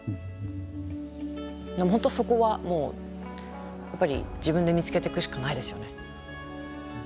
本当そこはもうやっぱり自分で見つけていくしかないですよね。